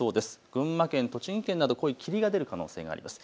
群馬県、栃木県など濃い霧が出る可能性があります。